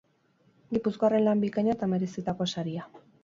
Gipuzkoarren lan bikaina eta merezitako saria.